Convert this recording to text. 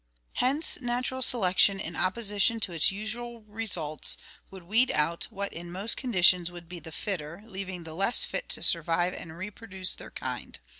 Hence natural selection in opposition to its usual results would weed out what in most conditions would be the fitter, leav ing the less fit to survive and reproduce their kind.